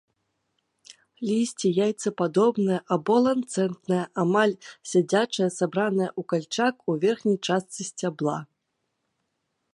Лісце яйцападобнае або ланцэтнае, амаль сядзячае, сабранае ў кальчак у верхняй частцы сцябла.